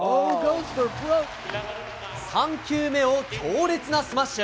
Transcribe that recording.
３球目を強烈なスマッシュ。